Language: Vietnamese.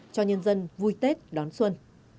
cho nhân dân vui tết đón xuân